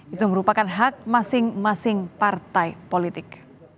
itu merupakan hak masing masing partai politik